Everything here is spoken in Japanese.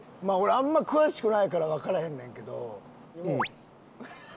まあ俺あんま詳しくないからわからへんねんけど。